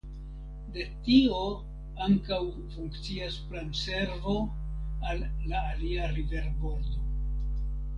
De tio ankaŭ funkcias pramservo al la alia riverbordo.